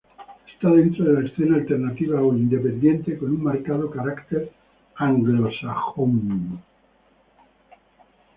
Está dentro de la escena alternativa o independiente con un marcado carácter anglosajón.